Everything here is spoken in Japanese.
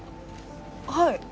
はい